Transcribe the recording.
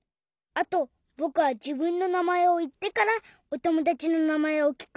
あとぼくはじぶんのなまえをいってからおともだちのなまえをきく！